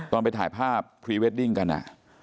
ไปถ่ายภาพพรีเวดดิ้งกัน